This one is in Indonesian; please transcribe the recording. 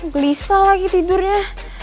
gelisah lagi tidurnya